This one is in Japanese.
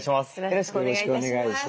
よろしくお願いします。